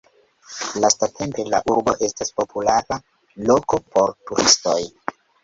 Lastatempe, la urbo estas populara loko por turistoj.